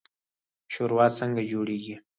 شورا څنګه جوړیږي؟